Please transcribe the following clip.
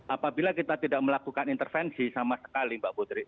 apabila kita tidak melakukan intervensi sama sekali mbak putri